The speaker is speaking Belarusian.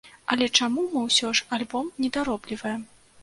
Але чаму мы ўсё ж альбом не даробліваем?